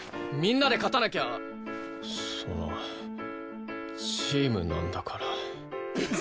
みんなで勝たなきゃそのチームなんだから。